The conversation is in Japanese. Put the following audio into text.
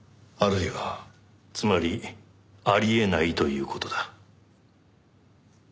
つまりあり得ないという事だ。